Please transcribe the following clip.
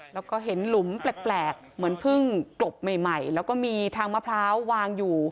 แล้วก็เห็นหลุมแปลกเหมือนเพิ่งกลบใหม่แล้วก็มีทางมะพร้าววางอยู่